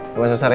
jangan susah ya